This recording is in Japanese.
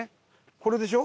これでしょ？